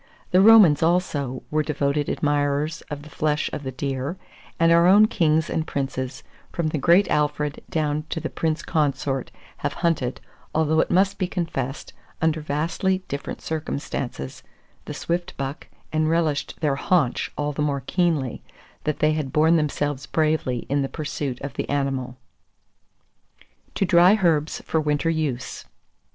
The Romans, also, were devoted admirers of the flesh of the deer; and our own kings and princes, from the Great Alfred down to the Prince Consort, have hunted, although, it must be confessed, under vastly different circumstances, the swift buck, and relished their "haunch" all the more keenly, that they had borne themselves bravely in the pursuit of the animal. TO DRY HERBS FOR WINTER USE.